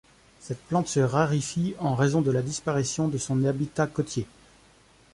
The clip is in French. Cette plante se raréfie en raison de la disparition de son habitat côtier.